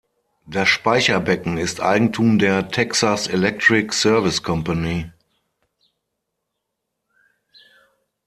Das Speicherbecken ist Eigentum der Texas Electric Service Company.